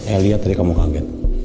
eh lihat tadi kamu kaget